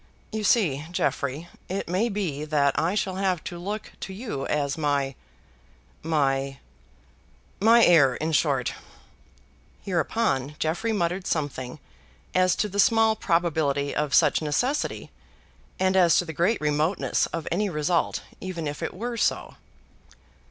You see, Jeffrey, it may be that I shall have to look to you as my my my heir, in short." Hereupon Jeffrey muttered something as to the small probability of such necessity, and as to the great remoteness of any result even if it were so.